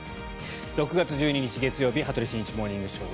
６月１２日、月曜日「羽鳥慎一モーニングショー」。